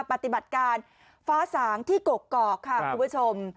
ปฏิบัติการฟ้าสางที่กกอกค่ะคุณผู้ชม